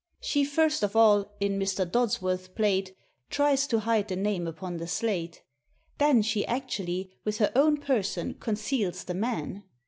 She first of all, in Mr. Dods* worth's plate, tries to hide the name upon the slate. Then she actually, with her own person, conceals the man.